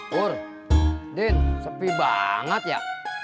wah din sepi banget ya